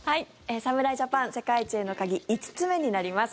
侍ジャパン、世界一への鍵５つ目になります。